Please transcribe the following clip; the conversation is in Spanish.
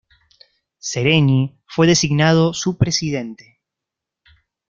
Seregni fue designado su presidente.